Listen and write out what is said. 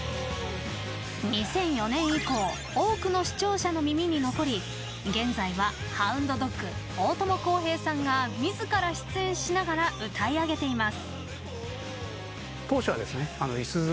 ２００４年以降多くの視聴者の耳に残り現在は大友康平さんが自ら出演しながら歌い上げています。